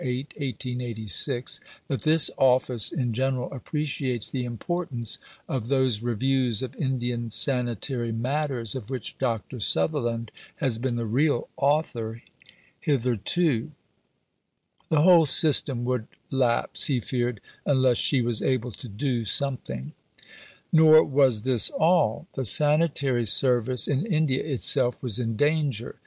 8, 1886), "that this office in general appreciates the importance of those reviews of Indian sanitary matters of which Dr. Sutherland has been the real author hitherto." The whole system would lapse, he feared, unless she was able to do something. Captain Galton was knighted in 1887. Nor was this all. The sanitary service in India itself was in danger.